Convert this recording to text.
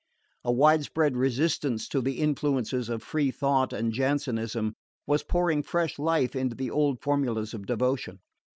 A widespread resistance to the influences of free thought and Jansenism was pouring fresh life into the old formulas of devotion.